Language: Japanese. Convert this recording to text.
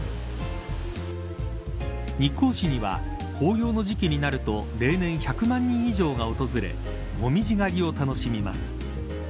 日光市には紅葉の時期になると例年１００万人以上が訪れ紅葉狩りを楽しみます。